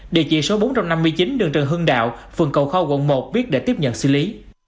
địa chỉ số bốn trăm năm mươi chín đường trần hưng đạo phường cầu kho quận một biết để tiếp nhận xử lý